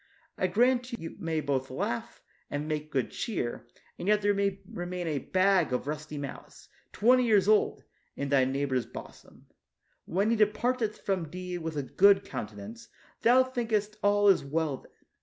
I grant you may both laugh and make good cheer, and yet there may remain a bag of rusty malice, twenty years old, in thy neighbor's bosom. When he departeth from thee with a good countenance, thou thinkest all is well then.